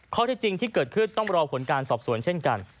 ข้อที่จริงที่เกิดขึ้นต้องรอผลการสอบสวนเช่นกัน